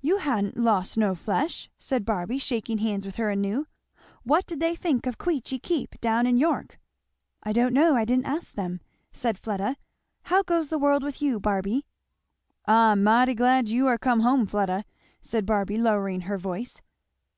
"You ha'n't lost no flesh," said Barby shaking hands with her anew. "What did they think of Queechy keep, down in York?" "I don't know I didn't ask them," said Fleda. "How goes the world with you, Barby?" "I'm mighty glad you are come home, Fleda," said Barby lowering her voice.